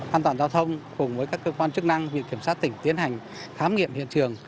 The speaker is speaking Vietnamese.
an toàn giao thông cùng với các cơ quan chức năng viện kiểm sát tỉnh tiến hành khám nghiệm hiện trường